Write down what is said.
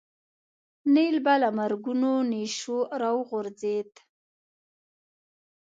نیل به له مرګونو نېشو راوغورځېد.